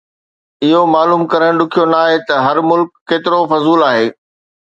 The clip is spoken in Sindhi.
اهو معلوم ڪرڻ ڏکيو ناهي ته هر ملڪ ڪيترو فضول آهي